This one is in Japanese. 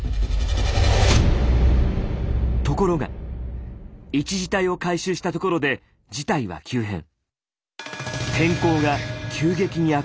ところが１次隊を回収したところで事態は急変。